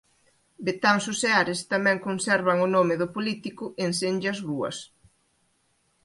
Betanzos e Ares tamén conservan o nome do político en senllas rúas.